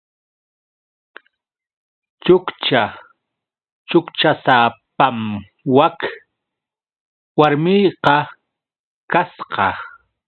Chukcha chukchasapam wak warmiqa kasqa.